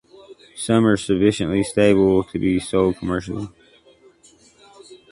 Some are sufficiently stable to be sold commercially.